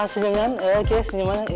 senyum ya oke senyuman